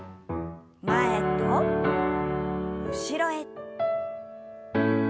前と後ろへ。